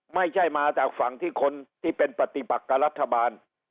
ไม่ใช่มาจากฝั่งที่คนที่เป็นปฏิบัติกับรัฐบาล